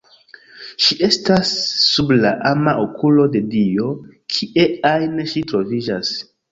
Ŝi estas sub la ama okulo de Dio, kie ajn ŝi troviĝas.